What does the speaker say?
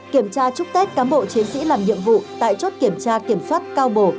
kiểm tra chúc tết cám bộ chiến sĩ làm nhiệm vụ tại chốt kiểm tra kiểm soát cao bổ